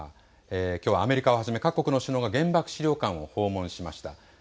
きょうはアメリカをはじめ各国の首脳が原爆資料館を訪問しました。